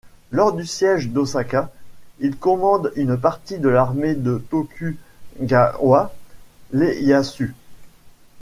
Lors du siège d'Osaka, Il commande une partie de l'armée de Tokugawa Ieyasu.